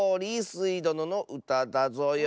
スイどののうただぞよ。